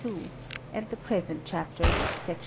and the present chapter Sec.